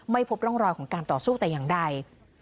ไม่พบร่องรอยของการต่อสู้แต่อย่างใด